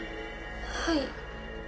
はい。